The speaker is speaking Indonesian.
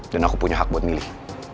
dan aku punya hak buat milih